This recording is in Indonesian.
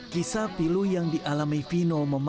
kisah pilu yang dialami fino